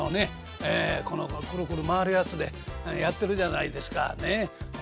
クルクル回るやつでやってるじゃないですかねっ。